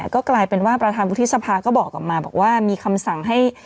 ก็กลายเป็นว่าประธานวุฒิสภาก็บอกกลับมาบอกว่ามีคำสั่งให้